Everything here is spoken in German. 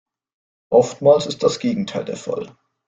Oftmals ist das Gegenteil der Fall.